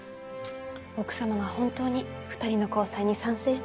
奥様は本当に２人の交際に賛成したんですね。